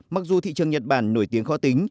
mặc dù thị trường nhật bản nổi tiếng khó tính